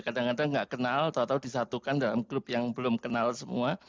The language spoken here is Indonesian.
kadang kadang tidak kenal atau disatukan dalam klub yang belum kenal semua